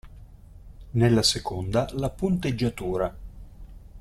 Nella seconda la punteggiatura.